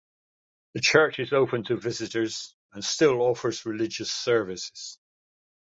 The church is open to visitors and still offers religious services.